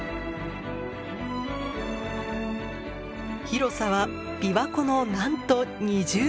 広さは琵琶湖のなんと２０倍！